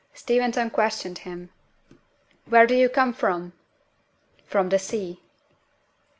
Steventon questioned him. "Where do you come from?" "From the sea."